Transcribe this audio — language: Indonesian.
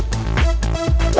jadi kita serubu aja